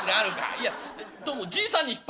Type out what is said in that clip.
「いやどうもじいさんに引っ張られんだね」。